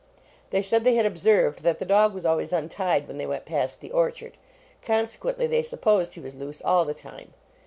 They said they had observed that the dog was always untied when they went past the orchard, conse quently they supposed he was loose all the time.